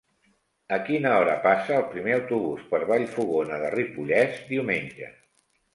A quina hora passa el primer autobús per Vallfogona de Ripollès diumenge?